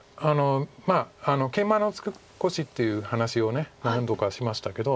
まあケイマのツケコシっていう話を何度かしましたけど。